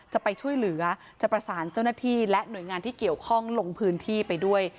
จะไปช่วยเหลือจะประสานเจ้าหน้าที่และหน่วยงานที่เกี่ยวข้องลงพื้นที่ไปด้วย